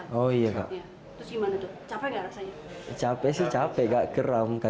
di sini ada beberapa tempat tidur yang sangat berharga